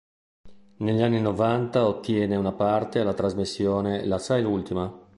Negli anni novanta ottiene una parte alla trasmissione "La sai l'ultima?